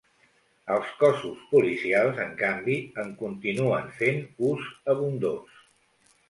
Els cossos policials, en canvi, en continuen fent ús abundós.